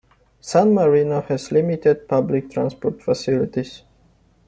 San Marino has limited public transport facilities.